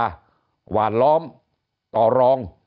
หวานล้อมต่อรอง